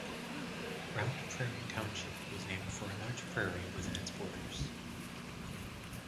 Round Prairie Township was named for a large prairie within its borders.